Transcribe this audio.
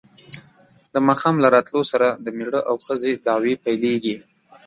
د ماښام له راتلو سره د مېړه او ښځې دعوې پیلېږي.